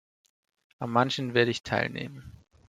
An manchen werde ich teilnehmen.